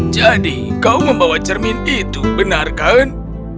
jadi kau membawa cermin itu benar kan